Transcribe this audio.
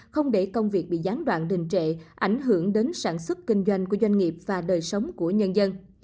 không để công việc bị gián đoạn đình trệ ảnh hưởng đến sản xuất kinh doanh của doanh nghiệp và đời sống của nhân dân